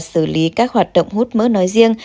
xử lý các hoạt động hút mỡ nói riêng